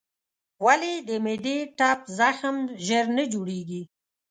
ولې د معدې ټپ زخم ژر نه جوړېږي؟